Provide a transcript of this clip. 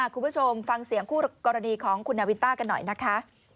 คุณผู้ชมฟังเสียงคู่กรณีของคุณนาวินต้ากันหน่อยนะคะ